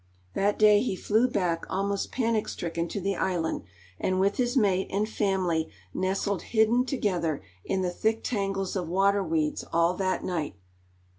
That day he flew back almost panic stricken to the island, and with his mate and family nestled hidden together in the thick tangles of water weeds all that night.